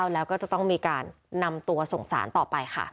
แล้วก็จะต้องมีการนำตัวส่งสารต่อไปค่ะ